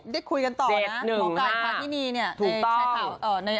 เดี๋ยววันนี้ได้คุยกันต่อนะ๗๑๕